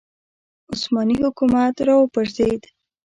عثماني حکومت راوپرځېد